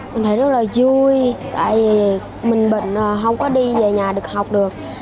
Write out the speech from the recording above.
mình thấy rất là vui tại vì mình không có đi về nhà được học được